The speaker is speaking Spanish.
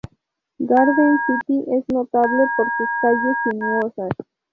Garden City es notable por sus calles sinuosas.